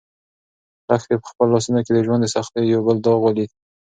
لښتې په خپلو لاسو کې د ژوند د سختیو یو بل داغ ولید.